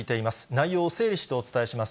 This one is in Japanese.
内容を整理してお伝えします。